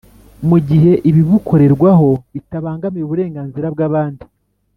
mu gihe ibibukorerwaho bitabangamira uburenganzira bw’abandi